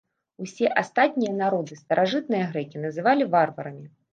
Усе астатнія народы старажытныя грэкі называлі варварамі.